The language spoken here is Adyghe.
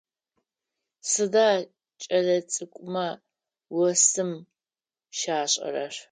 Сыда кӏэлэцӏыкӏумэ осым щашӏэрэр?